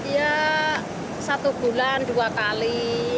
ya satu bulan dua kali